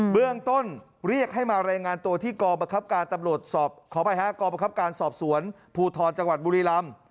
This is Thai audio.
เบื้องต้นเรียกให้มารายงานตัวที่กบสวนบุรีรัม